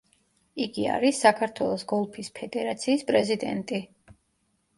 იგი არის საქართველოს გოლფის ფედერაციის პრეზიდენტი.